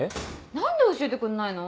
何で教えてくんないの？